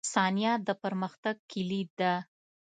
• ثانیه د پرمختګ کلید ده.